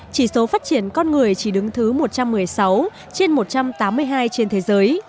chỉ số phát triển con người chỉ đứng thứ một trăm một mươi sáu trên một trăm tám mươi hai trên thế giới